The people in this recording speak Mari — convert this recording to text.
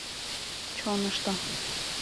Чонышто